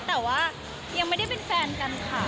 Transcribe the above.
แต่ว่ายังไม่ได้เป็นแฟนกันค่ะ